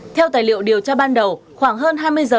theo tài liệu điều tra ban đầu khoảng hơn hai mươi giờ